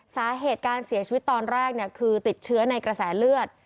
สาเหตุการเสียชีวิตตอนแรกคือติดเชื้อในกระแสเลือด